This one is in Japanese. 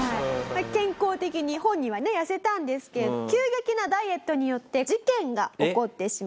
健康的に本人は痩せたんですけれど急激なダイエットによって事件が起こってしまいます。